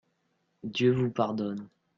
Dieu vous pardonne.